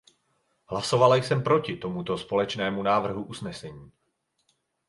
Hlasovala jsem proti tomuto společnému návrhu usnesení.